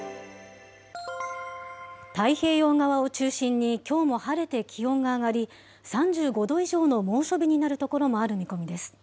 太平洋側を中心にきょうも晴れて気温が上がり、３５度以上の猛暑日になる所もある見込みです。